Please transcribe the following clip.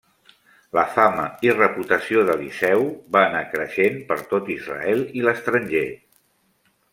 La fama i reputació d'Eliseu va anar creixent per tot Israel i l'estranger.